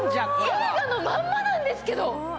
映画のまんまなんですけど！